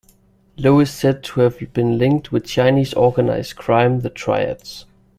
Lo is said to have been linked with Chinese organized crime, the Triads.